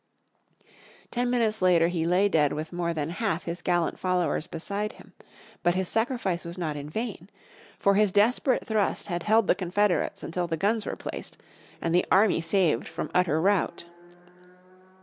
Ten minutes later he lay dead with more than half his gallant followers beside him. But his sacrifice was not in vain. For his desperate thrust had held the Confederates until the guns were placed, and the army saved from utter rout.